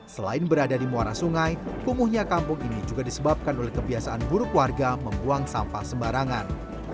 selain berada di muara sungai kumuhnya kampung ini juga disebabkan oleh kebiasaan buruk warga membuang sampah sembarangan